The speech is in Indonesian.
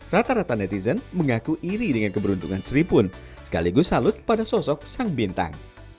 rata rata netizen mengaku iri dengan keberuntungan sri pun sekaligus salut pada sosok sang bintang